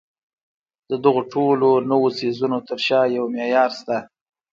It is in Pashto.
د دغو ټولو نويو څيزونو تر شا يو معيار شته.